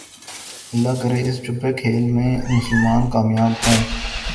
اللہ کرے اس چھپے کھیل میں مسلمان کامیاب ہو